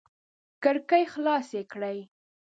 کړکۍ خلاصې کړه!